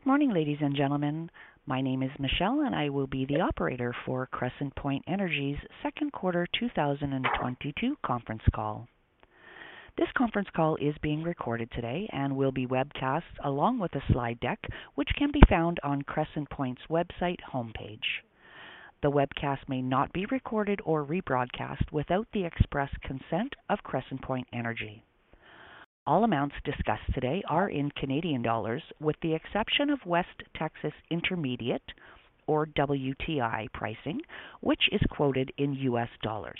Good morning, ladies and gentlemen. My name is Michelle, and I will be the operator for Crescent Point Energy's second quarter 2022 conference call. This conference call is being recorded today and will be webcast along with a slide deck, which can be found on Crescent Point's website homepage. The webcast may not be recorded or rebroadcast without the express consent of Crescent Point Energy. All amounts discussed today are in Canadian dollars with the exception of West Texas Intermediate or WTI pricing, which is quoted in U.S. dollars.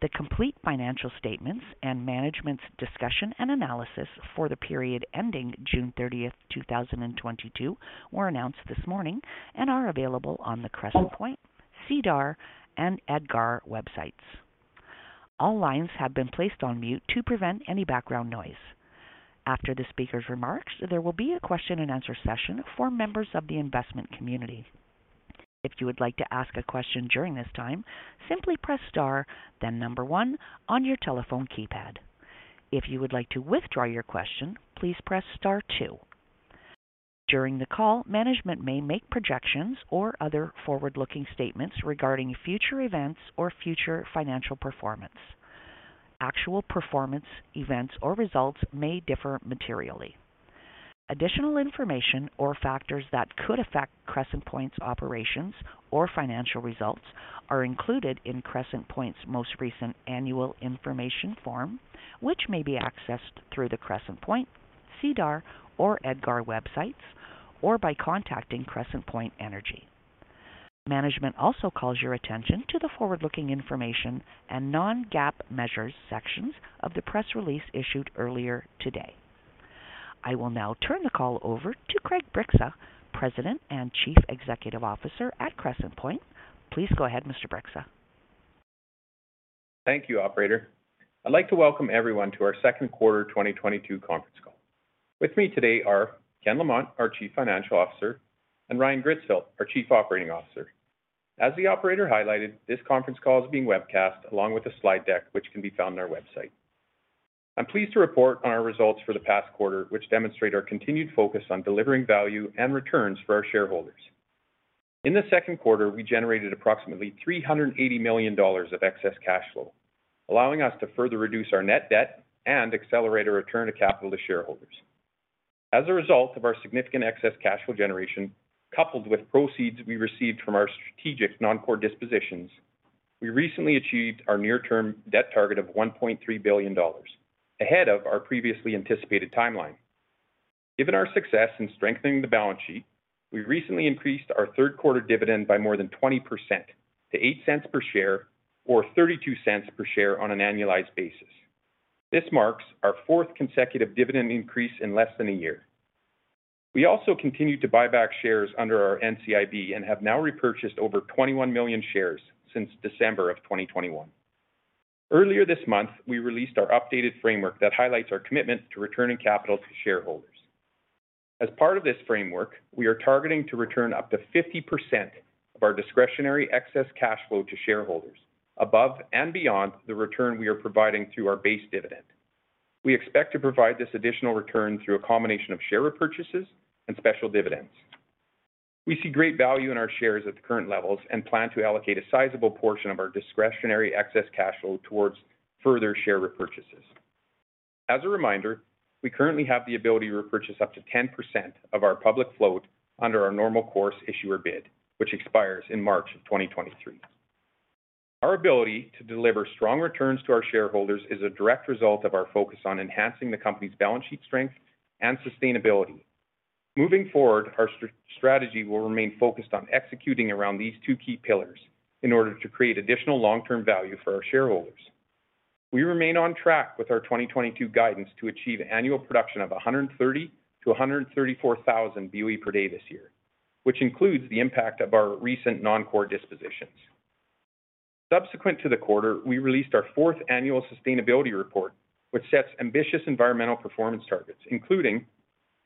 The complete financial statements and management's discussion and analysis for the period ending June 30, 2022 were announced this morning and are available on the Crescent Point, SEDAR, and EDGAR websites. All lines have been placed on mute to prevent any background noise. After the speaker's remarks, there will be a question-and-answer session for members of the investment community. If you would like to ask a question during this time, simply press star then number one on your telephone keypad. If you would like to withdraw your question, please press star two. During the call, management may make projections or other forward-looking statements regarding future events or future financial performance. Actual performance events or results may differ materially. Additional information or factors that could affect Crescent Point's operations or financial results are included in Crescent Point's most recent annual information form, which may be accessed through the Crescent Point, SEDAR, or EDGAR websites or by contacting Crescent Point Energy. Management also calls your attention to the forward-looking information and non-GAAP measures sections of the press release issued earlier today. I will now turn the call over to Craig Bryksa, President and Chief Executive Officer at Crescent Point. Please go ahead, Mr. Bryksa. Thank you, operator. I'd like to welcome everyone to our second quarter 2022 conference call. With me today are Ken Lamont, our Chief Financial Officer, and Ryan Gritzfeldt, our Chief Operating Officer. As the operator highlighted, this conference call is being webcast along with a slide deck, which can be found on our website. I'm pleased to report on our results for the past quarter, which demonstrate our continued focus on delivering value and returns for our shareholders. In the second quarter, we generated approximately 380 million dollars of excess cash flow, allowing us to further reduce our net debt and accelerate our return of capital to shareholders. As a result of our significant excess cash flow generation, coupled with proceeds we received from our strategic non-core dispositions, we recently achieved our near-term debt target of 1.3 billion dollars ahead of our previously anticipated timeline. Given our success in strengthening the balance sheet, we recently increased our third quarter dividend by more than 20% to 0.08 per share or 0.32 per share on an annualized basis. This marks our fourth consecutive dividend increase in less than a year. We also continued to buy back shares under our NCIB and have now repurchased over 21 million shares since December 2021. Earlier this month, we released our updated framework that highlights our commitment to returning capital to shareholders. As part of this framework, we are targeting to return up to 50% of our discretionary excess cash flow to shareholders above and beyond the return we are providing through our base dividend. We expect to provide this additional return through a combination of share repurchases and special dividends. We see great value in our shares at the current levels and plan to allocate a sizable portion of our discretionary excess cash flow towards further share repurchases. As a reminder, we currently have the ability to repurchase up to 10% of our public float under our normal course issuer bid, which expires in March 2023. Our ability to deliver strong returns to our shareholders is a direct result of our focus on enhancing the company's balance sheet strength and sustainability. Moving forward, our strategy will remain focused on executing around these two key pillars in order to create additional long-term value for our shareholders. We remain on track with our 2022 guidance to achieve annual production of 130,000–134,000 BOE per day this year, which includes the impact of our recent non-core dispositions. Subsequent to the quarter, we released our fourth annual sustainability report, which sets ambitious environmental performance targets, including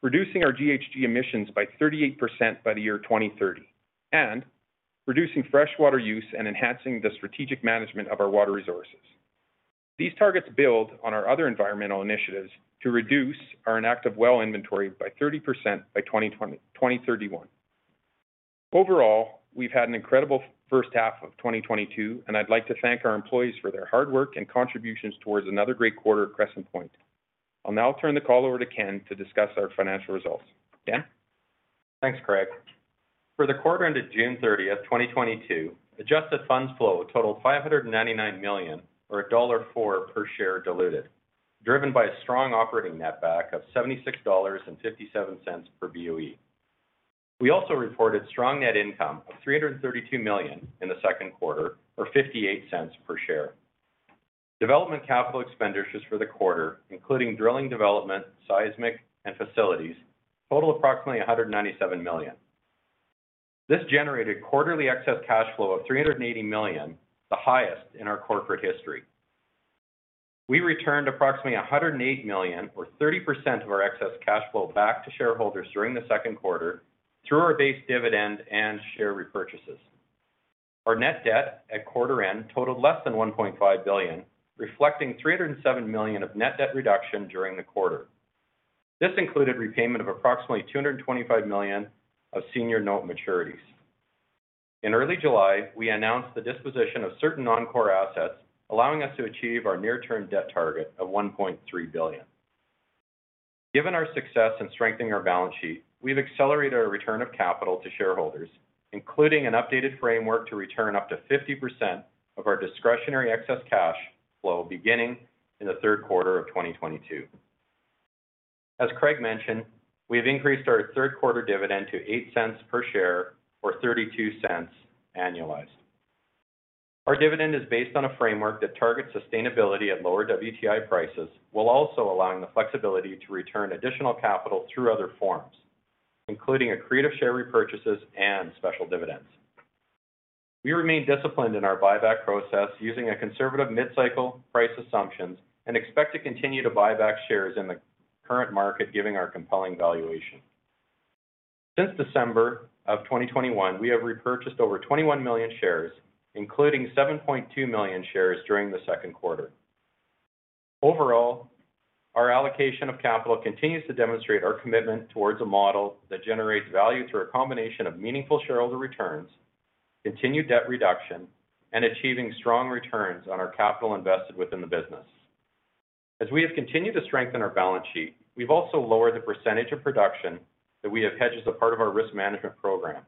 reducing our GHG emissions by 38% by the year 2030 and reducing freshwater use and enhancing the strategic management of our water resources. These targets build on our other environmental initiatives to reduce our inactive well inventory by 30% by 2031. Overall, we've had an incredible first half of 2022, and I'd like to thank our employees for their hard work and contributions towards another great quarter at Crescent Point. I'll now turn the call over to Ken to discuss our financial results. Ken? Thanks, Craig. For the quarter ended June 30th, 2022, adjusted funds flow totaled 599 million or CAD 1.04 per share diluted, driven by a strong operating netback of 76.57 dollars per BOE. We also reported strong net income of 332 million in the second quarter, or 0.58 per share. Development capital expenditures for the quarter, including drilling development, seismic, and facilities, totaled approximately 197 million. This generated quarterly excess cash flow of 380 million, the highest in our corporate history. We returned approximately 108 million, or 30% of our excess cash flow, back to shareholders during the second quarter through our base dividend and share repurchases. Our net debt at quarter end totaled less than 1.5 billion, reflecting 307 million of net debt reduction during the quarter. This included repayment of approximately 225 million of senior note maturities. In early July, we announced the disposition of certain non-core assets, allowing us to achieve our near-term debt target of 1.3 billion. Given our success in strengthening our balance sheet, we've accelerated our return of capital to shareholders, including an updated framework to return up to 50% of our discretionary excess cash flow beginning in the third quarter of 2022. As Craig mentioned, we have increased our third quarter dividend to 0.08 per share or 0.32 annualized. Our dividend is based on a framework that targets sustainability at lower WTI prices, while also allowing the flexibility to return additional capital through other forms, including accretive share repurchases and special dividends. We remain disciplined in our buyback process using a conservative mid-cycle price assumptions, and expect to continue to buy back shares in the current market, given our compelling valuation. Since December of 2021, we have repurchased over 21 million shares, including 7.2 million shares during the second quarter. Overall, our allocation of capital continues to demonstrate our commitment toward a model that generates value through a combination of meaningful shareholder returns, continued debt reduction, and achieving strong returns on our capital invested within the business. As we have continued to strengthen our balance sheet, we've also lowered the percentage of production that we have hedged as a part of our risk management program.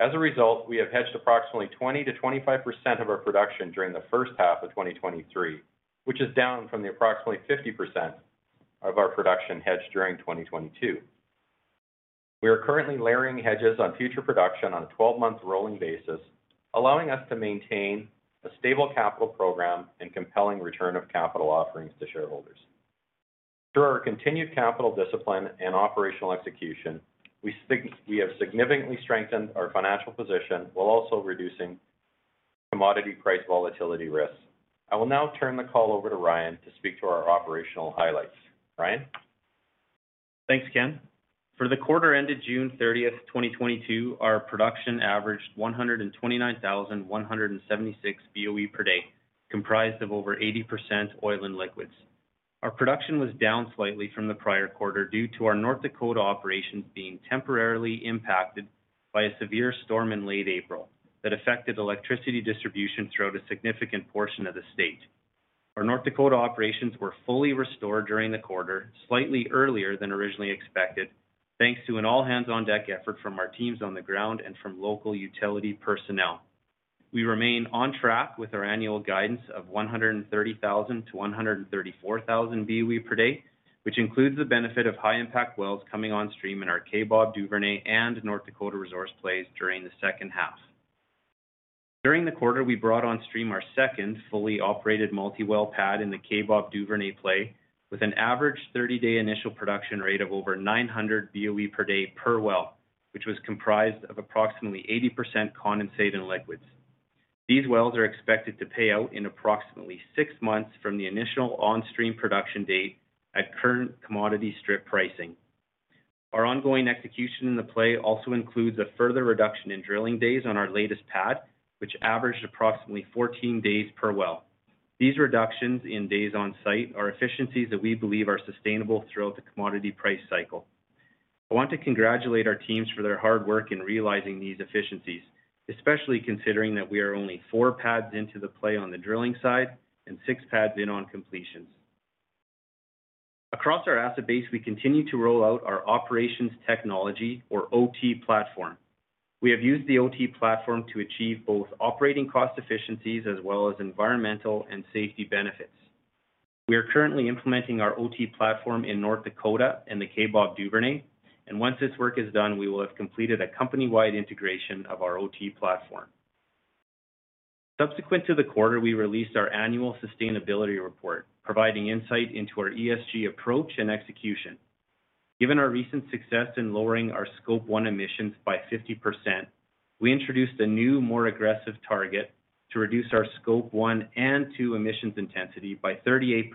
As a result, we have hedged approximately 20%-25% of our production during the first half of 2023, which is down from the approximately 50% of our production hedged during 2022. We are currently layering hedges on future production on a 12-month rolling basis, allowing us to maintain a stable capital program and compelling return of capital offerings to shareholders. Through our continued capital discipline and operational execution, we have significantly strengthened our financial position while also reducing commodity price volatility risks. I will now turn the call over to Ryan to speak to our operational highlights. Ryan? Thanks, Ken. For the quarter ended June 30th, 2022, our production averaged 129,176 BOE per day, comprised of over 80% oil and liquids. Our production was down slightly from the prior quarter due to our North Dakota operations being temporarily impacted by a severe storm in late April that affected electricity distribution throughout a significant portion of the state. Our North Dakota operations were fully restored during the quarter, slightly earlier than originally expected, thanks to an all hands on deck effort from our teams on the ground and from local utility personnel. We remain on track with our annual guidance of 130,000-134,000 BOE per day, which includes the benefit of high impact wells coming on stream in our Kaybob Duvernay and North Dakota resource plays during the second half. During the quarter, we brought on stream our second fully operated multi-well pad in the Kaybob Duvernay play with an average 30-day initial production rate of over 900 BOE per day per well, which was comprised of approximately 80% condensate and liquids. These wells are expected to pay out in approximately six months from the initial on stream production date at current commodity strip pricing. Our ongoing execution in the play also includes a further reduction in drilling days on our latest pad, which averaged approximately 14 days per well. These reductions in days on site are efficiencies that we believe are sustainable throughout the commodity price cycle. I want to congratulate our teams for their hard work in realizing these efficiencies, especially considering that we are only 4 pads into the play on the drilling side and 6 pads in on completions. Across our asset base, we continue to roll out our operations technology or OT platform. We have used the OT platform to achieve both operating cost efficiencies as well as environmental and safety benefits. We are currently implementing our OT platform in North Dakota and the Kaybob Duvernay. Once this work is done, we will have completed a company-wide integration of our OT platform. Subsequent to the quarter, we released our annual sustainability report, providing insight into our ESG approach and execution. Given our recent success in lowering our Scope 1 emissions by 50%, we introduced a new, more aggressive target to reduce our Scope 1 and Scope 2 emissions intensity by 38%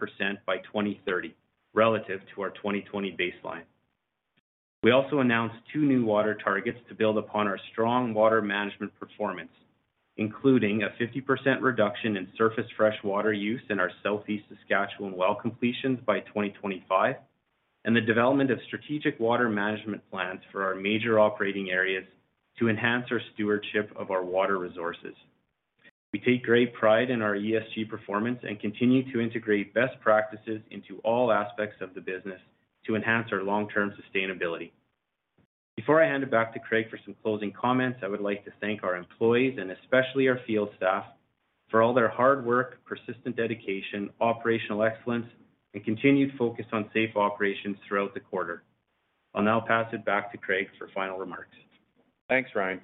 by 2030, relative to our 2020 baseline. We also announced two new water targets to build upon our strong water management performance, including a 50% reduction in surface freshwater use in our Southeast Saskatchewan well completions by 2025, and the development of strategic water management plans for our major operating areas to enhance our stewardship of our water resources. We take great pride in our ESG performance and continue to integrate best practices into all aspects of the business to enhance our long-term sustainability. Before I hand it back to Craig for some closing comments, I would like to thank our employees and especially our field staff for all their hard work, persistent dedication, operational excellence, and continued focus on safe operations throughout the quarter. I'll now pass it back to Craig for final remarks. Thanks, Ryan.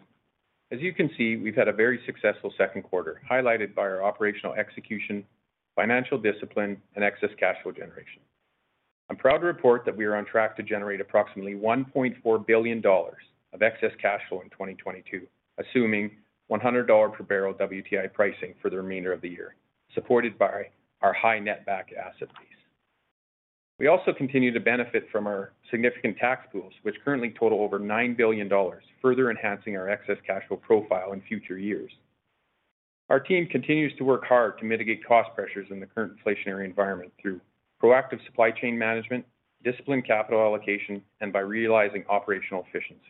As you can see, we've had a very successful second quarter, highlighted by our operational execution, financial discipline, and excess cash flow generation. I'm proud to report that we are on track to generate approximately 1.4 billion dollars of excess cash flow in 2022, assuming $100 per barrel WTI pricing for the remainder of the year, supported by our high netback asset base. We also continue to benefit from our significant tax pools, which currently total over 9 billion dollars, further enhancing our excess cash flow profile in future years. Our team continues to work hard to mitigate cost pressures in the current inflationary environment through proactive supply chain management, disciplined capital allocation, and by realizing operational efficiencies.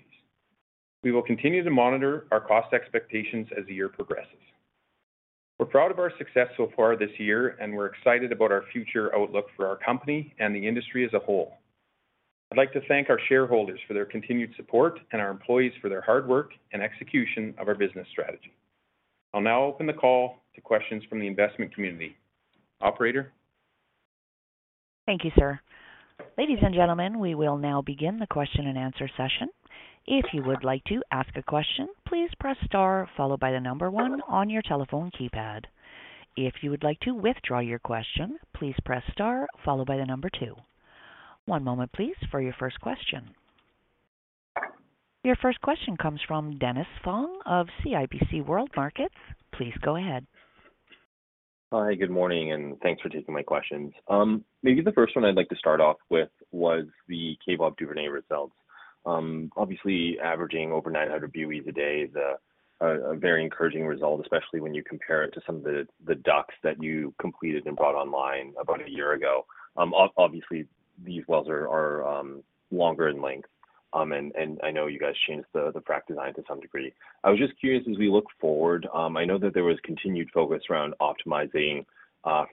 We will continue to monitor our cost expectations as the year progresses. We're proud of our success so far this year, and we're excited about our future outlook for our company and the industry as a whole. I'd like to thank our shareholders for their continued support and our employees for their hard work and execution of our business strategy. I'll now open the call to questions from the investment community. Operator? Thank you, sir. Ladies and gentlemen, we will now begin the question and answer session. If you would like to ask a question, please press star followed by the number one on your telephone keypad. If you would like to withdraw your question, please press star followed by the number two. One moment, please, for your first question. Your first question comes from Dennis Fong of CIBC World Markets. Please go ahead. Hi, good morning, and thanks for taking my questions. Maybe the first one I'd like to start off with was the Kaybob Duvernay results. Obviously averaging over 900 BOE today is a very encouraging result, especially when you compare it to some of the DUCs that you completed and brought online about a year ago. Obviously, these wells are longer in length, and I know you guys changed the frac design to some degree. I was just curious, as we look forward, I know that there was continued focus around optimizing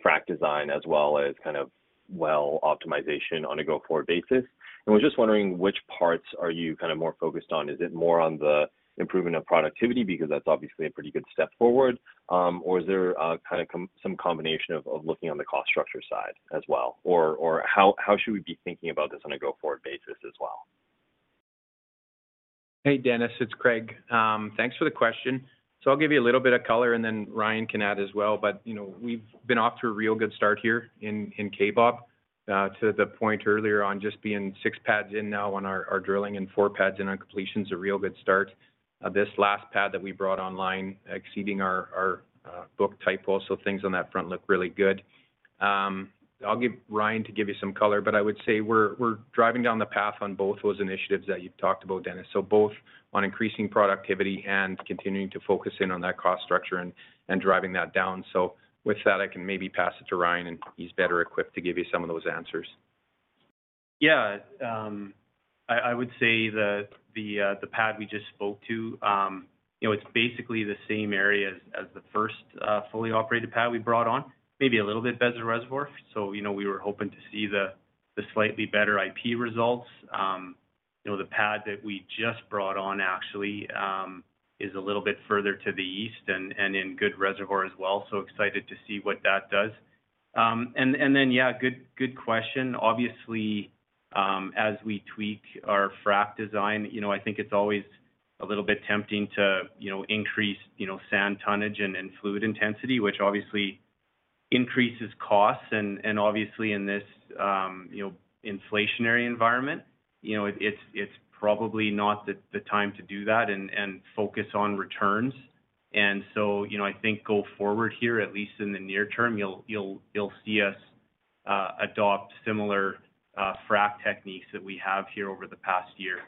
frac design as well as kind of well optimization on a go-forward basis. I was just wondering which parts are you kind of more focused on? Is it more on the improvement of productivity? Because that's obviously a pretty good step forward. Is there kind of some combination of looking on the cost structure side as well? How should we be thinking about this on a go-forward basis as well? Hey, Dennis, it's Craig. Thanks for the question. I'll give you a little bit of color and then Ryan can add as well. You know, we've been off to a real good start here in Kaybob. To the point earlier on just being six pads in now on our drilling and four pads in on completion is a real good start. This last pad that we brought online, exceeding our type curve. Things on that front look really good. I'll let Ryan give you some color, but I would say we're driving down the path on both those initiatives that you've talked about, Dennis. Both on increasing productivity and continuing to focus in on that cost structure and driving that down. With that, I can maybe pass it to Ryan, and he's better equipped to give you some of those answers. Yeah. I would say that the pad we just spoke to, you know, it's basically the same area as the first fully operated pad we brought on, maybe a little bit better reservoir. You know, we were hoping to see the slightly better IP results. You know, the pad that we just brought on actually is a little bit further to the east and in good reservoir as well. Excited to see what that does. Yeah, good question. Obviously, as we tweak our frac design, you know, I think it's always a little bit tempting to, you know, increase, you know, sand tonnage and fluid intensity, which obviously increases costs, and obviously in this, you know, inflationary environment, you know, it's probably not the time to do that and focus on returns. You know, I think go forward here, at least in the near term, you'll see us adopt similar frac techniques that we have here over the past year.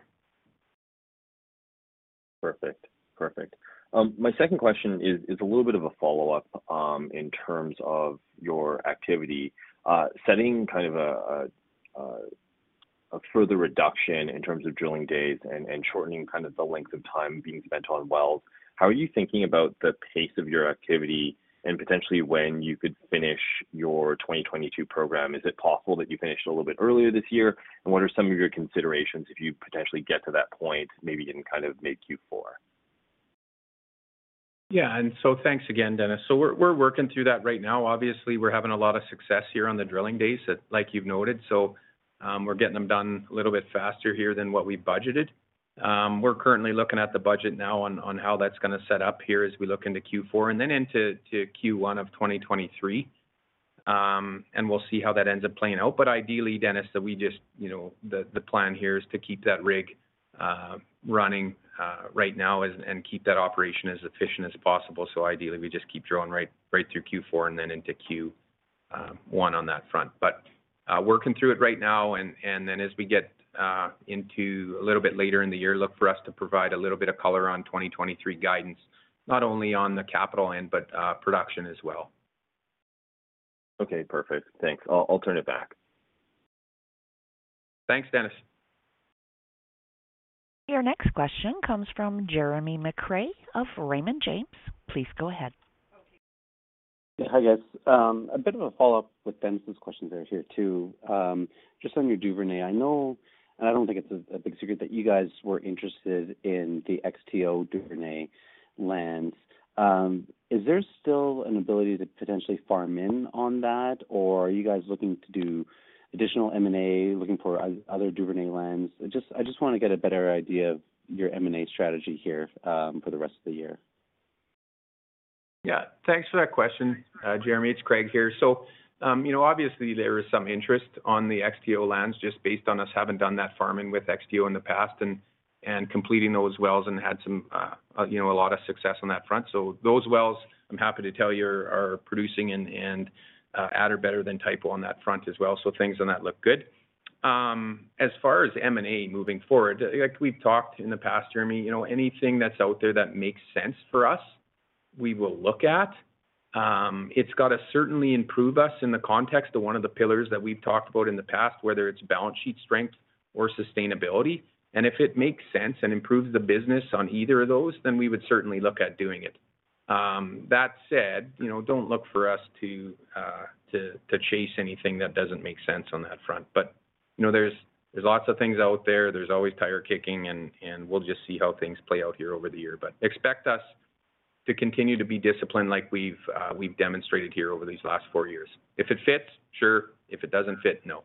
Perfect. My second question is a little bit of a follow-up in terms of your activity. Setting kind of a further reduction in terms of drilling days and shortening kind of the length of time being spent on wells, how are you thinking about the pace of your activity and potentially when you could finish your 2022 program? Is it possible that you finish a little bit earlier this year? What are some of your considerations if you potentially get to that point, maybe in kind of mid Q4? Yeah. Thanks again, Dennis. We're working through that right now. Obviously, we're having a lot of success here on the drilling days, like you've noted. We're getting them done a little bit faster here than what we budgeted. We're currently looking at the budget now on how that's gonna set up here as we look into Q4 and then into Q1 of 2023. We'll see how that ends up playing out. Ideally, Dennis, that we just, you know, the plan here is to keep that rig running right now and keep that operation as efficient as possible. Ideally, we just keep drilling right through Q4 and then into Q1 on that front. Working through it right now and then as we get into a little bit later in the year, look for us to provide a little bit of color on 2023 guidance, not only on the capital end, but production as well. Okay, perfect. Thanks. I'll turn it back. Thanks, Dennis. Your next question comes from Jeremy McCrea of Raymond James. Please go ahead. Hi, guys. A bit of a follow-up with Dennis's question there too. Just on your Duvernay, I know, and I don't think it's a big secret that you guys were interested in the XTO Duvernay lands. Is there still an ability to potentially farm in on that, or are you guys looking to do additional M&A, looking for other Duvernay lands? I just wanna get a better idea of your M&A strategy here, for the rest of the year. Yeah. Thanks for that question, Jeremy. It's Craig here. You know, obviously there is some interest on the XTO lands just based on us having done that farming with XTO in the past and completing those wells and had some, you know, a lot of success on that front. Those wells, I'm happy to tell you, are producing and at or better than type curve on that front as well. Things on that look good. As far as M&A moving forward, like we've talked in the past, Jeremy, you know, anything that's out there that makes sense for us, we will look at. It's got to certainly improve us in the context of one of the pillars that we've talked about in the past, whether it's balance sheet strength or sustainability. If it makes sense and improves the business on either of those, then we would certainly look at doing it. That said, you know, don't look for us to chase anything that doesn't make sense on that front. You know, there's lots of things out there. There's always tire kicking and we'll just see how things play out here over the year. Expect us to continue to be disciplined like we've demonstrated here over these last four years. If it fits, sure. If it doesn't fit, no.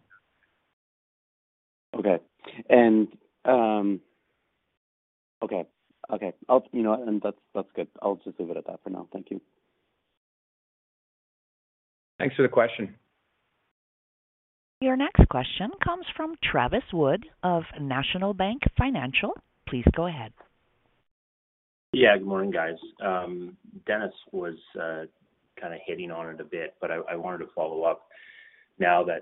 Okay. You know what? That's good. I'll just leave it at that for now. Thank you. Thanks for the question. Your next question comes from Travis Wood of National Bank Financial. Please go ahead. Yeah. Good morning, guys. Dennis was kinda hitting on it a bit, but I wanted to follow up. Now that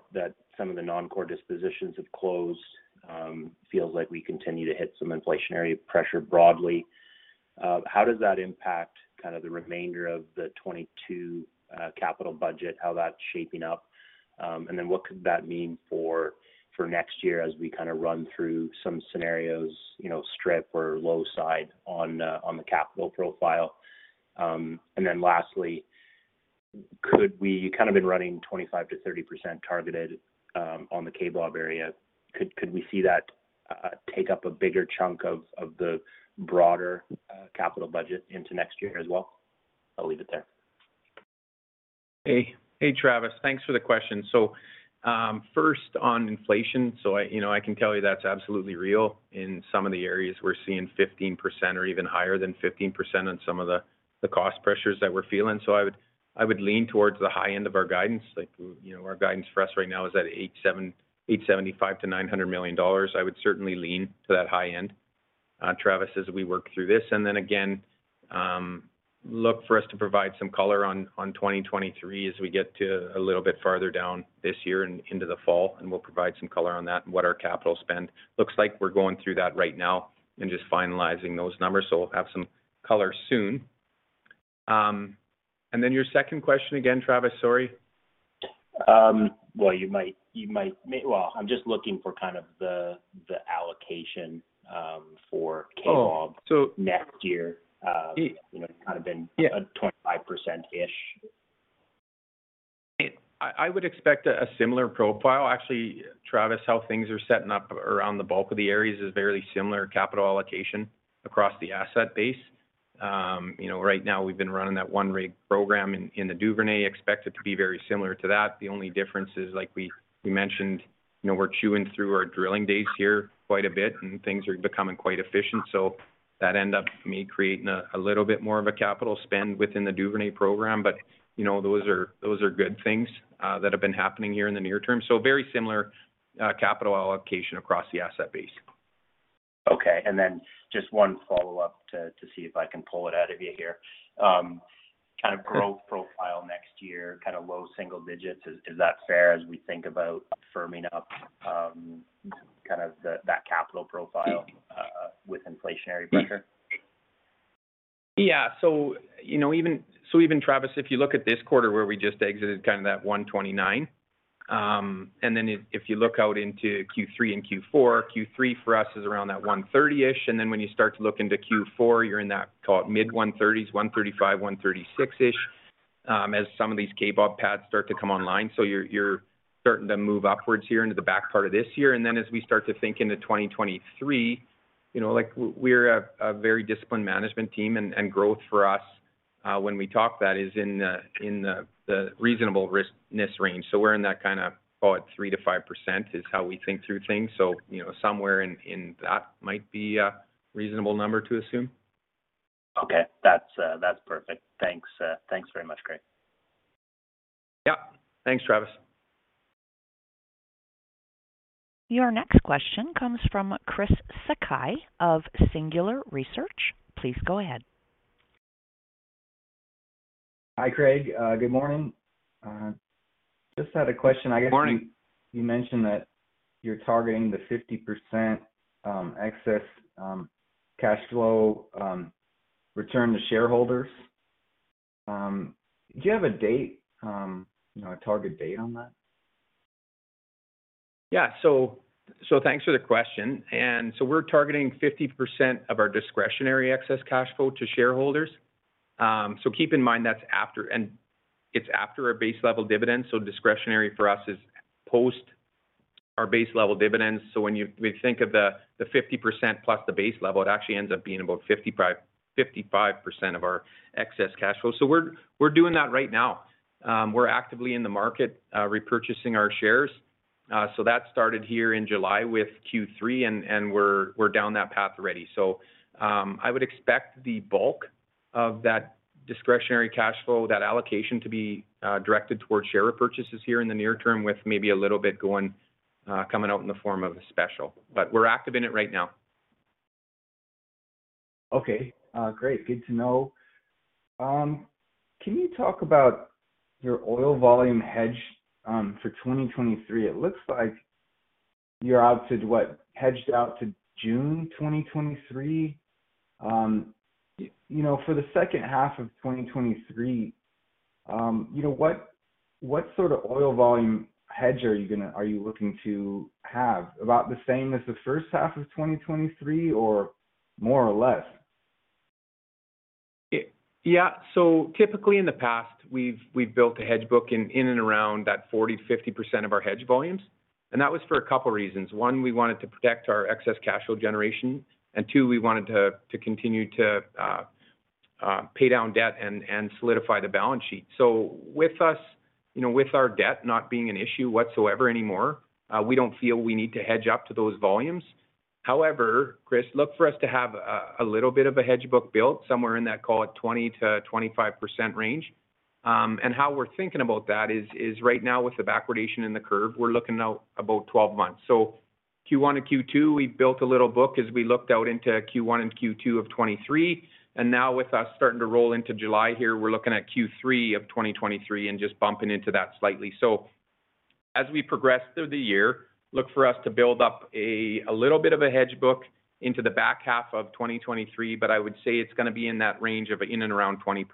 some of the non-core dispositions have closed, feels like we continue to hit some inflationary pressure broadly. How does that impact kind of the remainder of the 2022 capital budget, how that's shaping up? And then what could that mean for next year as we kinda run through some scenarios, you know, strip or low side on the capital profile? And then lastly, you've kinda been running 25%-30% targeted on the Kaybob area. Could we see that take up a bigger chunk of the broader capital budget into next year as well? I'll leave it there. Hey. Hey, Travis. Thanks for the question. First on inflation. You know, I can tell you that's absolutely real. In some of the areas, we're seeing 15% or even higher than 15% on some of the cost pressures that we're feeling. I would lean towards the high end of our guidance. Like, you know, our guidance for us right now is at 875 million-900 million dollars. I would certainly lean to that high end, Travis, as we work through this. Then again, look for us to provide some color on 2023 as we get a little bit farther down this year and into the fall, and we'll provide some color on that and what our capital spend looks like. We're going through that right now and just finalizing those numbers, so we'll have some color soon. Then your second question again, Travis. Sorry. Well, I'm just looking for kind of the allocation for Kaybob. Oh. ...next year, you know, kind of been Yeah a 25%-ish. I would expect a similar profile. Actually, Travis, how things are setting up around the bulk of the areas is very similar capital allocation across the asset base. You know, right now we've been running that one rig program in the Duvernay, expect it to be very similar to that. The only difference is, like we mentioned, you know, we're chewing through our drilling days here quite a bit, and things are becoming quite efficient. That may end up creating a little bit more of a capital spend within the Duvernay program. You know, those are good things that have been happening here in the near term. Very similar capital allocation across the asset base. Okay. Then just one follow-up to see if I can pull it out of you here. Kind of growth profile next year, kinda low single digits, is that fair as we think about firming up kind of that capital profile with inflationary pressure? Even, Travis, if you look at this quarter where we just exited kinda 129,000 BOE, and then if you look out into Q3 and Q4, Q3 for us is around that 130,000-ish BOE. When you start to look into Q4, you're in that, call it, mid-130,000s BOE, 135,000 BOE, 136,000-ish BOE, as some of these Kaybob pads start to come online. You're starting to move upwards here into the back part of this year. When we start to think into 2023, you know, like, we're a very disciplined management team, and growth for us, when we talk that, is in the reasonable riskiness range. We're in that kinda, call it, 3%-5% is how we think through things. You know, somewhere in that might be a reasonable number to assume. Okay. That's perfect. Thanks very much, Craig. Yep. Thanks, Travis. Your next question comes from Chris Sakai of Singular Research. Please go ahead. Hi, Craig. Good morning. Just had a question. Good morning. I guess you mentioned that you're targeting the 50% excess cash flow return to shareholders. Do you have a date, you know, a target date on that? Thanks for the question. We're targeting 50% of our discretionary excess cash flow to shareholders. Keep in mind that's after, and it's after our base level dividends. Discretionary for us is post our base level dividends. We think of the 50%+ the base level, it actually ends up being about 55% of our excess cash flow. We're doing that right now. We're actively in the market repurchasing our shares. That started here in July with Q3, and we're down that path already. I would expect the bulk of that discretionary cash flow, that allocation, to be directed towards share repurchases here in the near term, with maybe a little bit going, coming out in the form of a special. We're active in it right now. Okay. Great. Good to know. Can you talk about your oil volume hedge for 2023? It looks like you're out to what? Hedged out to June 2023. You know, for the second half of 2023, you know, what sort of oil volume hedge are you looking to have? About the same as the first half of 2023 or more or less? Yeah. Typically in the past, we've built a hedge book in and around that 40%-50% of our hedge volumes. That was for a couple reasons. One, we wanted to protect our excess cash flow generation, and two, we wanted to continue to pay down debt and solidify the balance sheet. With us, you know, with our debt not being an issue whatsoever anymore, we don't feel we need to hedge up to those volumes. However, Chris, look for us to have a little bit of a hedge book built somewhere in that, call it 20%-25% range. And how we're thinking about that is right now with the backwardation in the curve, we're looking out about 12 months. Q1 to Q2, we built a little book as we looked out into Q1 and Q2 of 2023, and now with us starting to roll into July here, we're looking at Q3 of 2023 and just bumping into that slightly. As we progress through the year, look for us to build up a little bit of a hedge book into the back half of 2023, but I would say it's gonna be in that range of in and around 20%.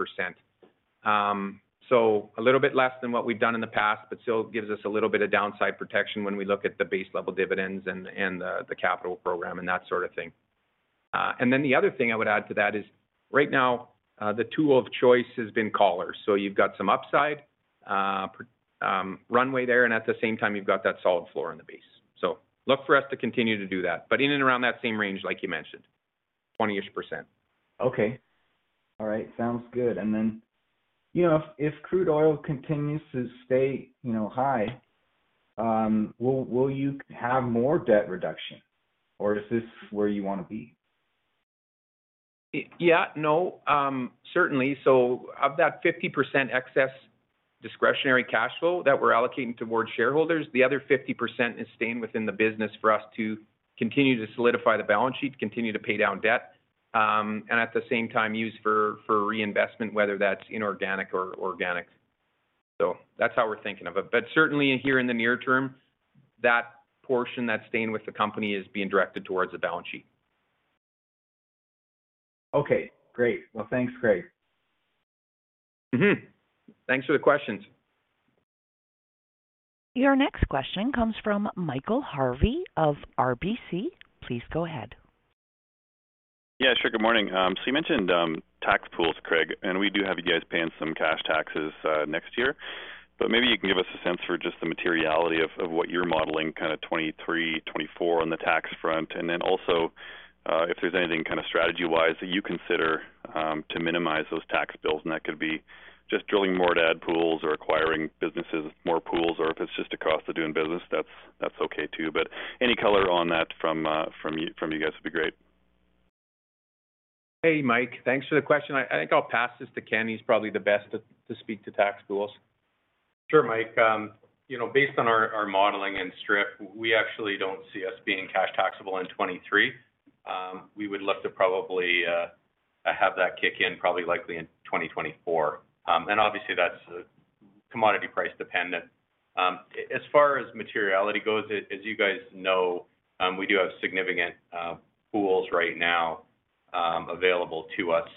A little bit less than what we've done in the past, but still gives us a little bit of downside protection when we look at the base level dividends and the capital program and that sort of thing. The other thing I would add to that is right now the tool of choice has been collars. You've got some upside, runway there, and at the same time, you've got that solid floor in the base. Look for us to continue to do that, but in and around that same range, like you mentioned, 20-ish%. Okay. All right. Sounds good. Then, you know, if crude oil continues to stay, you know, high, will you have more debt reduction or is this where you wanna be? Yeah. No, certainly. Of that 50% excess discretionary cash flow that we're allocating towards shareholders, the other 50% is staying within the business for us to continue to solidify the balance sheet, continue to pay down debt, and at the same time use for reinvestment, whether that's inorganic or organic. That's how we're thinking of it. Certainly here in the near term, that portion that's staying with the company is being directed towards the balance sheet. Okay, great. Well, thanks, Craig. Mm-hmm. Thanks for the questions. Your next question comes from Michael Harvey of RBC. Please go ahead. Yeah, sure. Good morning. You mentioned tax pools, Craig, and we do have you guys paying some cash taxes next year. Maybe you can give us a sense for just the materiality of what you're modeling kind of 2023, 2024 on the tax front. If there's anything kind of strategy-wise that you consider to minimize those tax bills, and that could be just drilling more to add pools or acquiring businesses, more pools, or if it's just a cost of doing business, that's okay too. Any color on that from you guys would be great. Hey, Mike. Thanks for the question. I think I'll pass this to Ken. He's probably the best to speak to tax pools. Sure. Mike, you know, based on our modeling and strip, we actually don't see us being cash taxable in 2023. We would look to probably have that kick in probably likely in 2024. Obviously that's commodity price dependent. As far as materiality goes, as you guys know, we do have significant pools right now available to us.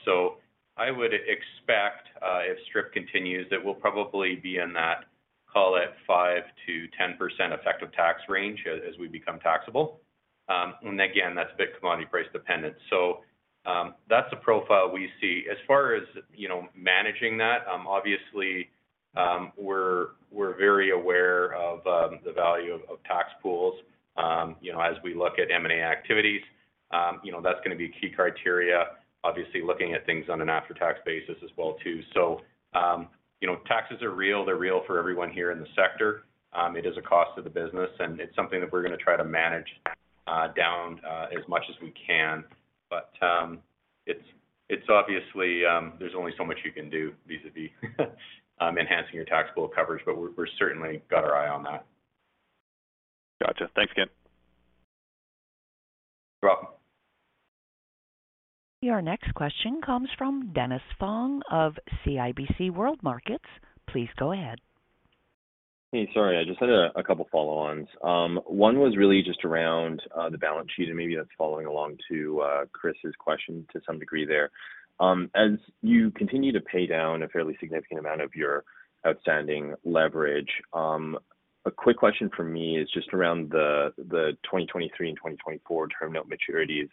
I would expect, if strip continues, it will probably be in that, call it 5%-10% effective tax range as we become taxable. Again, that's a bit commodity price dependent. That's the profile we see. As far as you know managing that, obviously, we're very aware of the value of tax pools. You know, as we look at M&A activities, you know, that's gonna be key criteria, obviously, looking at things on an after-tax basis as well too. Taxes are real. They're real for everyone here in the sector. It is a cost to the business, and it's something that we're gonna try to manage down as much as we can. It's obviously. There's only so much you can do vis-à-vis enhancing your tax pools, but we're certainly got our eye on that. Gotcha. Thanks, Ken. You're welcome. Our next question comes from Dennis Fong of CIBC World Markets. Please go ahead. Hey, sorry. I just had a couple follow-ons. One was really just around the balance sheet, and maybe that's following along to Chris's question to some degree there. As you continue to pay down a fairly significant amount of your outstanding leverage, a quick question from me is just around the 2023 and 2024 term note maturities.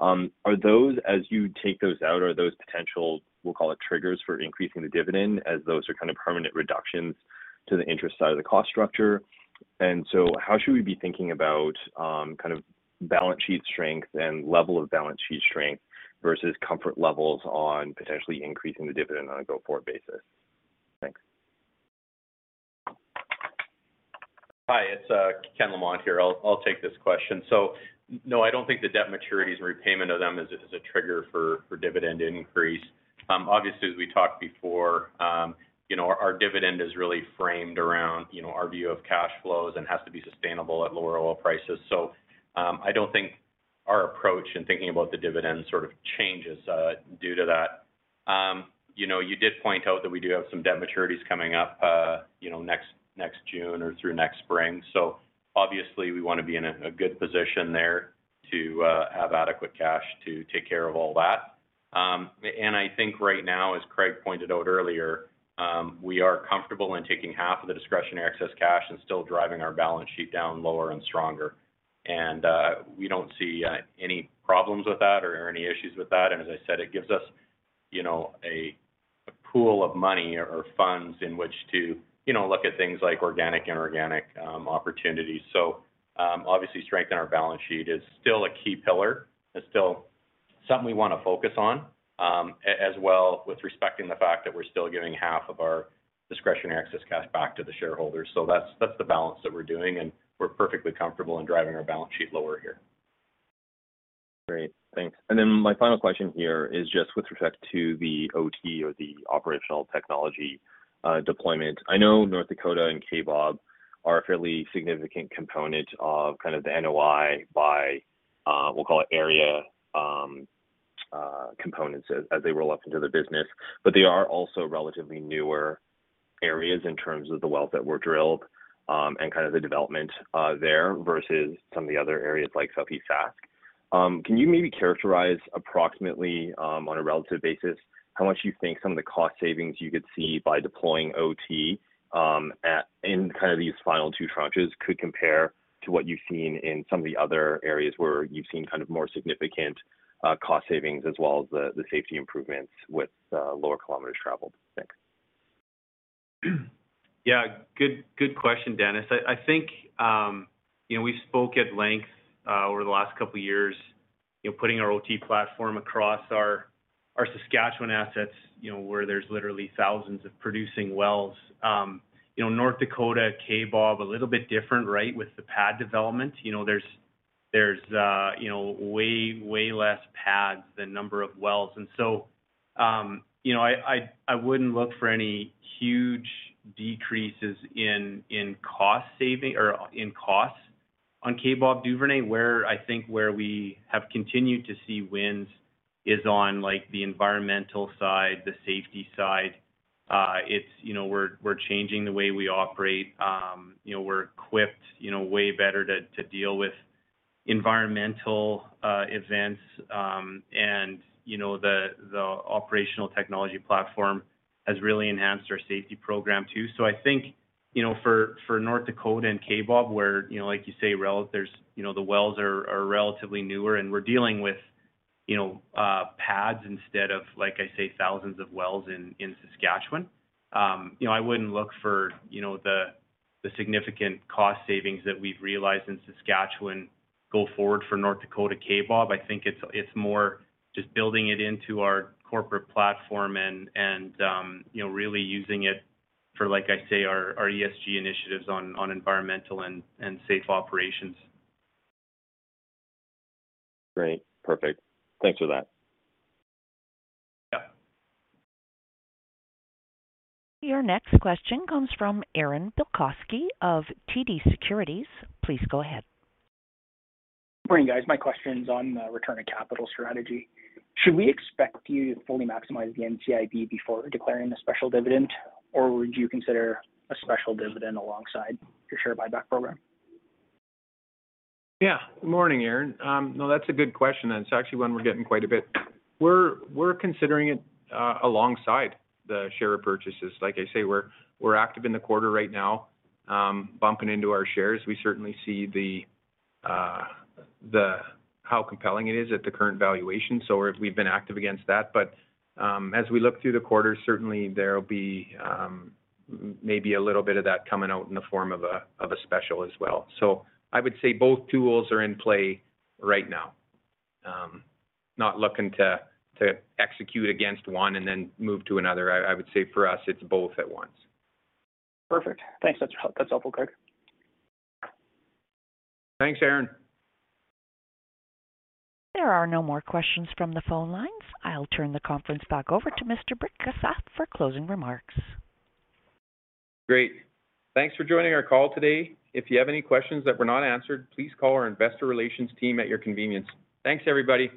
Are those, as you take those out, are those potential, we'll call it triggers for increasing the dividend as those are kind of permanent reductions to the interest side of the cost structure? How should we be thinking about kind of balance sheet strength and level of balance sheet strength versus comfort levels on potentially increasing the dividend on a go-forward basis? Thanks. Hi, it's Ken Lamont here. I'll take this question. No, I don't think the debt maturities and repayment of them is a trigger for dividend increase. Obviously, as we talked before, you know, our dividend is really framed around, you know, our view of cash flows and has to be sustainable at lower oil prices. I don't think our approach in thinking about the dividend sort of changes due to that. You know, you did point out that we do have some debt maturities coming up, you know, next June or through next spring. Obviously we wanna be in a good position there to have adequate cash to take care of all that. I think right now, as Craig pointed out earlier, we are comfortable in taking half of the discretionary excess cash and still driving our balance sheet down lower and stronger. We don't see any problems with that or any issues with that. As I said, it gives us, you know, a pool of money or funds in which to, you know, look at things like organic and inorganic opportunities. Obviously strengthen our balance sheet is still a key pillar and still something we wanna focus on. As well with respecting the fact that we're still giving half of our discretionary excess cash back to the shareholders. That's the balance that we're doing, and we're perfectly comfortable in driving our balance sheet lower here. Great. Thanks. Then my final question here is just with respect to the OT or the operational technology deployment. I know North Dakota and Kaybob are a fairly significant component of kind of the NOI by, we'll call it area, components as they roll up into the business. They are also relatively newer areas in terms of the wells that were drilled, and kind of the development, there versus some of the other areas like Southeast Saskatchewan. Can you maybe characterize approximately, on a relative basis, how much you think some of the cost savings you could see by deploying OT, at, in kind of these final two tranches could compare to what you've seen in some of the other areas where you've seen kind of more significant, cost savings as well as the safety improvements with, lower kilometers traveled? Thanks. Yeah. Good question, Dennis. I think you know, we spoke at length over the last couple of years, you know, putting our OT platform across our Saskatchewan assets, you know, where there's literally thousands of producing wells. You know, North Dakota, Kaybob, a little bit different, right, with the pad development. You know, there's way less pads than number of wells. I wouldn't look for any huge decreases in cost saving or in costs on Kaybob Duvernay. Where I think we have continued to see wins is on, like, the environmental side, the safety side. It's you know, we're changing the way we operate. You know, we're equipped way better to deal with environmental events. You know, the operational technology platform has really enhanced our safety program, too. I think, you know, for North Dakota and Kaybob, where, you know, like you say, there's, you know, the wells are relatively newer and we're dealing with, you know, pads instead of, like I say, thousands of wells in Saskatchewan. You know, I wouldn't look for, you know, the significant cost savings that we've realized in Saskatchewan go forward for North Dakota, Kaybob. I think it's more just building it into our corporate platform and, you know, really using it for, like I say, our ESG initiatives on environmental and safe operations. Great. Perfect. Thanks for that. Yeah. Your next question comes from Aaron Bilkoski of TD Securities. Please go ahead. Morning, guys. My question's on return of capital strategy. Should we expect you to fully maximize the NCIB before declaring a special dividend, or would you consider a special dividend alongside your share buyback program? Yeah. Morning, Aaron. No, that's a good question. That's actually one we're getting quite a bit. We're considering it alongside the share repurchases. Like I say, we're active in the quarter right now, buying back our shares. We certainly see how compelling it is at the current valuation. We've been active on that. As we look through the quarter, certainly there'll be maybe a little bit of that coming out in the form of a special as well. So I would say both tools are in play right now. Not looking to execute on one and then move to another. I would say for us it's both at once. Perfect. Thanks. That's helpful, Craig. Thanks, Aaron. There are no more questions from the phone lines. I'll turn the conference back over to Mr. Bryksa for closing remarks. Great. Thanks for joining our call today. If you have any questions that were not answered, please call our investor relations team at your convenience. Thanks, everybody.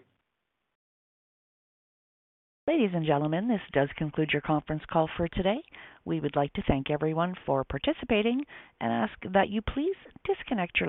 Ladies and gentlemen, this does conclude your conference call for today. We would like to thank everyone for participating and ask that you please disconnect your-